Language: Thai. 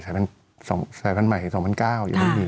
ศัตรูใหม่๒๐๐๙อย่างนี้